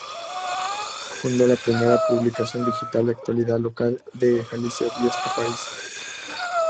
Fundó la primera publicación digital de actualidad local en Galicia "Dios, que país".